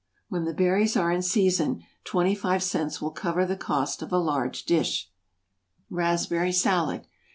When the berries are in season, twenty five cents will cover the cost of a large dish. =Raspberry Salad.